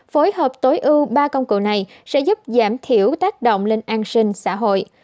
phối hợp tối ưu ba công cụ này sẽ giúp giảm thiểu tác động lên an sinh xã hội